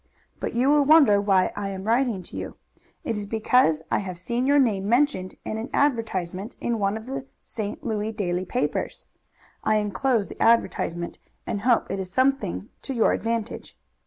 But you will wonder why I am writing to you. It is because I have seen your name mentioned in an advertisement in one of the St. Louis daily papers. I inclose the advertisement, and hope it is something to your advantage.